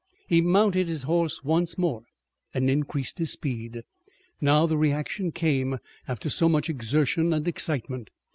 He mounted his horse once more, and increased his speed. Now the reaction came after so much exertion and excitement.